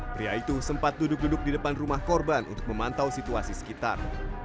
pria itu sempat duduk duduk di depan rumah korban untuk memantau situasi sekitar